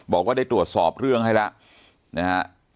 บอกว่าได้ตรวจสอบเรื่องให้แล้วนะฮะ